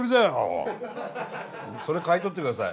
それ買い取って下さい。